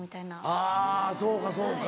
あぁそうかそうか。